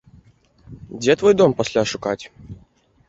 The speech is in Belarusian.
Дзе твой дом пасля шукаць?